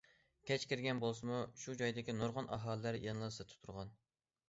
كەچ كىرگەن بولسىمۇ، شۇ جايدىكى نۇرغۇن ئاھالىلەر يەنىلا سىرتتا تۇرغان.